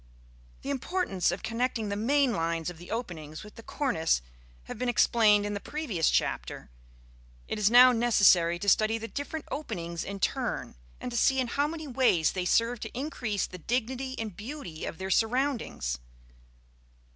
The importance of connecting the main lines of the openings with the cornice having been explained in the previous chapter, it is now necessary to study the different openings in turn, and to see in how many ways they serve to increase the dignity and beauty of their surroundings.